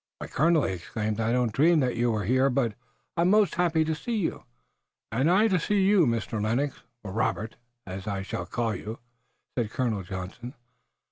"Why, Colonel!" he exclaimed, "I didn't dream that you were here, but I'm most happy to see you." "And I to see you, Mr. Lennox, or Robert, as I shall call you," said Colonel Johnson.